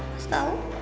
hah mas tau